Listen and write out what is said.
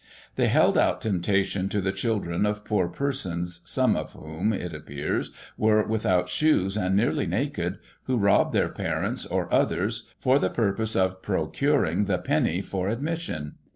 They held out temptation to the children of poor persons, some of whom, it appears, were without shoes and nearly naked, who robbed Digitized by Google 40 GOSSIP. [1838 their parents, or others, for the purpose of procuring the penny for admission.